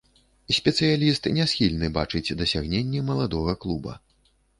Спецыяліст не схільны бачыць дасягненні маладога клуба.